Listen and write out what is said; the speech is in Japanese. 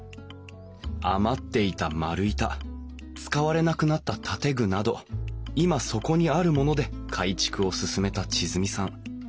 余っていた丸板使われなくなった建具など今そこにあるもので改築を進めた千純さん。